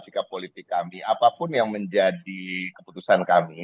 sikap politik kami apapun yang menjadi keputusan kami